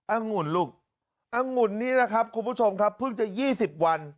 องุ่นลูกอังุ่นนี้นะครับคุณผู้ชมครับเพิ่งจะ๒๐วัน